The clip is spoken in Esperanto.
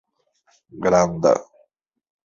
granda